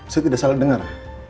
saya tidak salah dengar